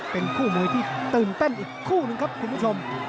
เป็นคู่มวยที่ตื่นเต้นอีกคู่หนึ่งครับคุณผู้ชม